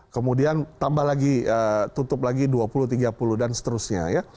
kemudian tambah lagi tutup lagi dua puluh tiga puluh dan seterusnya ya